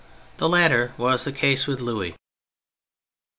The latter was the case with Louis.